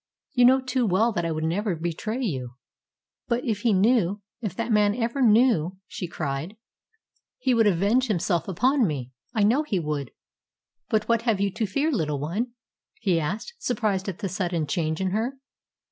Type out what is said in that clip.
"You know too well that I would never betray you." "But if he knew if that man ever knew," she cried, "he would avenge himself upon me! I know he would." "But what have you to fear, little one?" he asked, surprised at the sudden change in her.